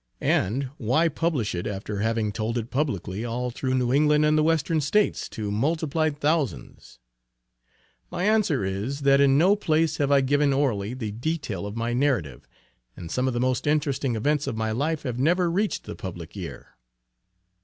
And, why publish it after having told it publicly all through New England and the Western States to multiplied thousands? My answer is, that in no place have I given orally the detail of my narrative; and some of the most interesting events of my life have never reached the public ear.